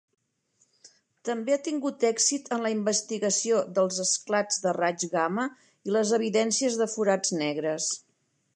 També ha tingut èxit en la investigació dels esclats de raigs gamma i les evidències de forats negres.